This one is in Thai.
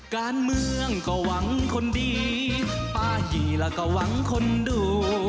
การเมืองก็หวังคนดีป้ายีแล้วก็หวังคนดู